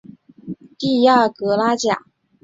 蒂亚格拉贾最著名的五首曲上演奏。